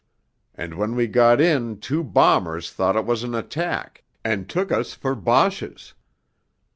And when we got in two bombers thought it was an attack, and took us for Boches....